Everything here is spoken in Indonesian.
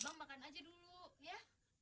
bang makan aja dulu ya